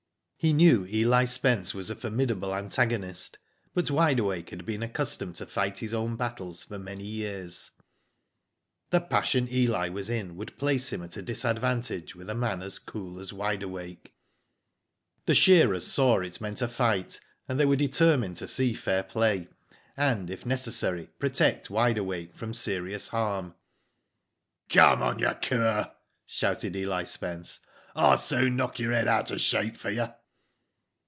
He knew Eli Spence was a formidable antag onist, but Wide Awake had been accustomed to fight his own battles for many years The passion Eli was in would place him at a disadvantage with a man as cool as Wide Awake. Digitized byGoogk 88 WHO DID IT? The shearers saw it meant a fight, and they were determined to see fair play, and, if necessary, pro tect Wide Awake from serious harm. Come on, you cur!" shouted Eli Spence. "Fll soon knock your head out of shape for you."